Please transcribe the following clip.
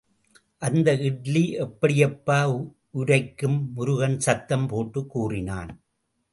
அந்த இட்லி எப்படிப்பா உரைக்கும்! முருகன் சத்தம் போட்டுக் கூறினான்.